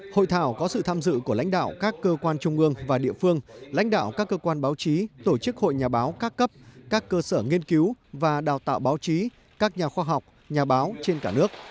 hội thảo có sự tham dự của lãnh đạo các cơ quan trung ương và địa phương lãnh đạo các cơ quan báo chí tổ chức hội nhà báo các cấp các cơ sở nghiên cứu và đào tạo báo chí các nhà khoa học nhà báo trên cả nước